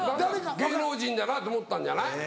芸能人だなと思ったんじゃない？